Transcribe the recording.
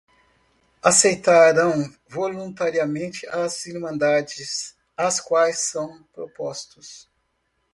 Aceitarão voluntariamente as irmandades às quais são propostos.